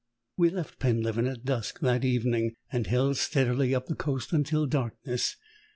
We left Penleven at dusk that evening, and held steadily up the coast until darkness.